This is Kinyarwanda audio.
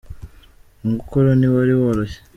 Umukoro ntiwari woroshye.